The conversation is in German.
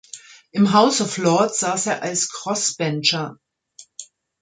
Im House of Lords saß er als Crossbencher.